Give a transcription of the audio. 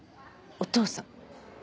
お父さん。